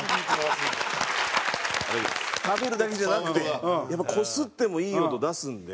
食べるだけじゃなくてやっぱこすってもいい音出すんで。